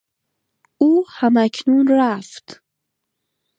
او هماکنون رفت.